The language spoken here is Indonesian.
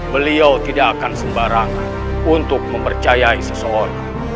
beliau tidak akan sembarangan untuk mempercayai seseorang